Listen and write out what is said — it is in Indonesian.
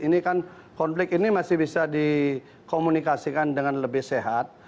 ini kan konflik ini masih bisa dikomunikasikan dengan lebih sehat